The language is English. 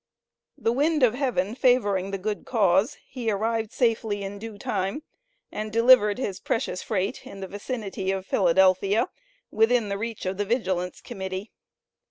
The wind of heaven favoring the good cause, he arrived safely in due time, and delivered his precious freight in the vicinity of Philadelphia within the reach of the Vigilance Committee.